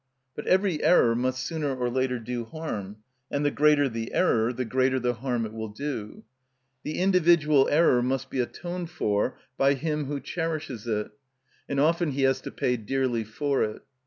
But every error must sooner or later do harm, and the greater the error the greater the harm it will do. The individual error must be atoned for by him who cherishes it, and often he has to pay dearly for it.